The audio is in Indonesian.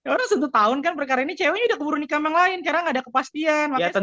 orang satu tahun kan perkara ini cewek udah keburu nikah yang lain karena gak ada kepastian